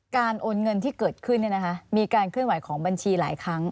โอนเงินที่เกิดขึ้นมีการเคลื่อนไหวของบัญชีหลายครั้ง